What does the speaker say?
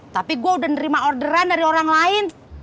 tapi gue udah nerima orderan dari orang lain